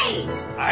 はい。